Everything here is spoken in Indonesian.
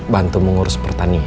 bantu mengurus pertanian